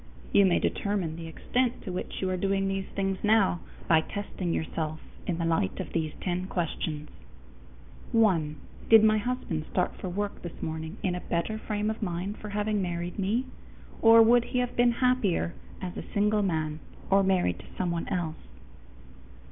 You may determine the extent to which you are doing these things now by testing yourself in the light of these ten questions: _1. Did my husband start for work this morning in a better frame of mind for having married me, or would he have been happier as a single man or married to someone else?